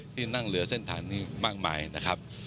ที่นั่งเรือเส้นทางนี้มากมายนะครับ